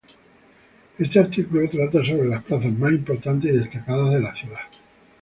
Este artículo trata sobre las plazas más importantes y destacadas de la ciudad.